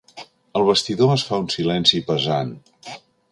Al vestidor es fa un silenci pesant.